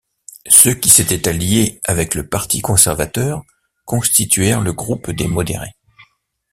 Ceux qui s'étaient alliés avec le parti conservateur constituèrent le groupe des modérés.